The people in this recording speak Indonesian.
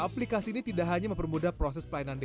aplikasi ini tidak hanya mempermudah proses pelayanan